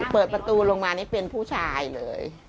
เปิดประตูลงมานี่เป็นผู้ชายเลย